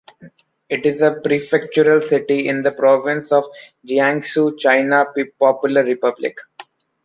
It is a prefectural city in the province of Jiangsu, China Popular Republic.